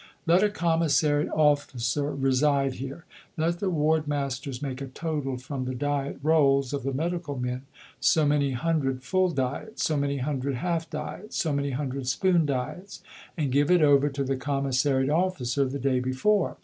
Let a Commissariat Officer reside here let the Ward Masters make a total from the Diet Rolls of the Medical Men so many hundred full diets so many hundred half diets so many hundred spoon diets, and give it over to the Commissariat Officer the day before.